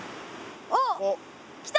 おっ来た！